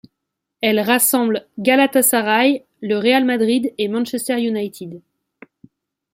Elle rassemble Galatasaray, le Real Madrid et Manchester United.